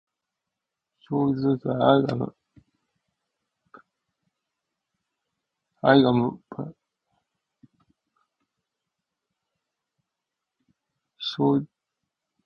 表象とは愛が己れ自ら表現するための煩悶である。